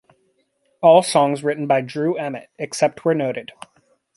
All songs written by Drew Emmitt, except where noted.